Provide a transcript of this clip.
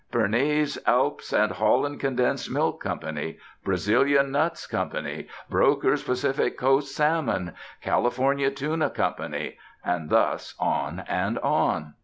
"Bernese Alps and Holland Condensed Milk Co.," "Brazilian Nuts Co.," "Brokers Pacific Coast Salmon," "California Tuna Co.," and thus on and on.